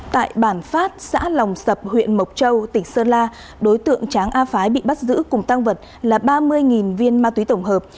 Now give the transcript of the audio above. tại bản phát xã lòng sập huyện mộc châu tỉnh sơn la đối tượng tráng a phái bị bắt giữ cùng tăng vật là ba mươi viên ma túy tổng hợp